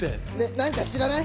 何か知らない？